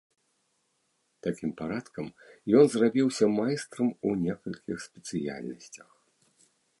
Такім парадкам ён зрабіўся майстрам у некалькіх спецыяльнасцях.